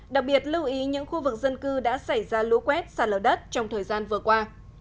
đặc biệt lưu ý những khu vực dân cư đã xảy ra lũ quét sạt lở đất trong thời gian vừa qua